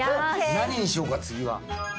何にしようか次は。